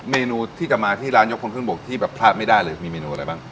เมนูที่จะมาที่ร้านยกคนขึ้นบกที่แบบพลาดไม่ได้เลยมีเมนูอะไรบ้าง